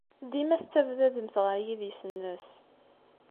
Dima tettabdademt ɣer yidis-nnes!